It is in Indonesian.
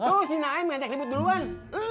tuh si naim ngantek libut duluan